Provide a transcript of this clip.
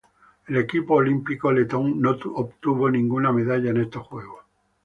El equipo olímpico letón no obtuvo ninguna medalla en estos Juegos.